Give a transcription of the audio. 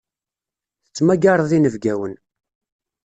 Tettmagareḍ inebgawen.